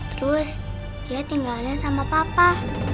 terus dia tinggalnya sama papa